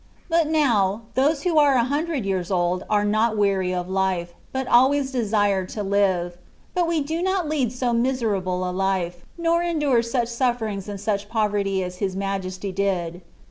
But now, those who are a hundrecbi years old are not weary of life, but always desire to live : but we do not lead so miserable a life, nor endure such suflFerings and such poverty as His Majesty did.